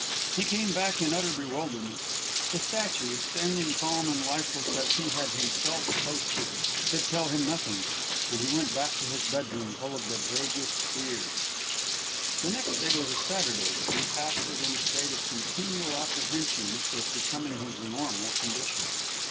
He came back in utter bewilderment; the statue, standing calm and lifeless as he had himself placed it, could tell him nothing, and he went back to his bedroom full of the vaguest fears. The next day was a Saturday, and he passed it in the state of continual apprehension which was becoming his normal condition.